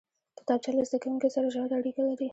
کتابچه له زده کوونکي سره ژوره اړیکه لري